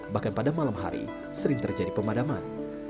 bahkan pada malam hari sering terjadi pemadaman